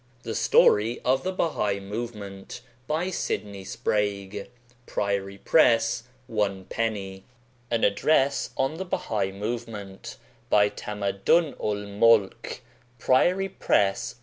The Story of the Bahai Movement by Sydney Sprague. priory press. Id. An Address on the Bahai Movement by Tamadun ul Molk. priory press.